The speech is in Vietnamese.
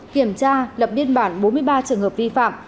kiểm tra lập biên bản bốn mươi ba trường hợp vi phạm